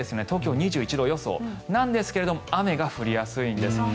東京、２１度予想なんですが雨が降りやすいんです。